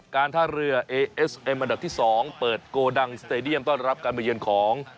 การท่าเรือเอเอสเอ็มอันดับที่๒เปิดโกดังสเตดียมต้อนรับการมาเยือนของ